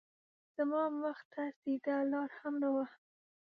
زما مخ ته سیده لار هم نه وه